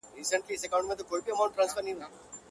• پلار پوليسو ته کمزوری ښکاري او خبري نه کوي..